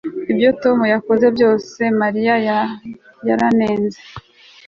Ibyo Tom yakoze byose Mariya yaranenze patgfisher